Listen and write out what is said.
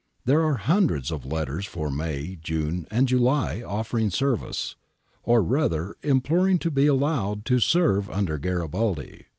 There are hundreds of letters for May, June, and July offering service, or rather imploring to be allowed to serve under Garibaldi.